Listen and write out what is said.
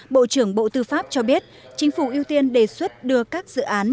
bộ trưởng bộ tư pháp cho biết chính phủ ưu tiên đề xuất đưa các dự án